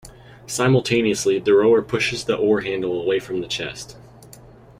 Simultaneously, the rower pushes the oar handle away from the chest.